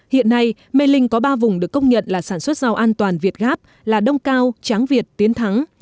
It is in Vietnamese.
hiện nay mê linh có ba vùng được công nhận là sản xuất rau an toàn việt gáp là đông cao tráng việt tiến thắng